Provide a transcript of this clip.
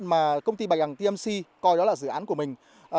mà công ty bạch đằng tmc coi đó là dự án của mình